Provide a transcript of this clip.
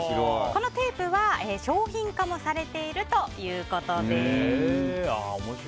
このテープは商品化もされているということです。